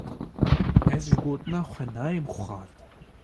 Ez ji gotina xwe nayêm xwar.